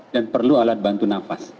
dan perlu alat bantu nafas